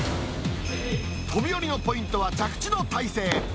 飛び降りのポイントは着地の体勢。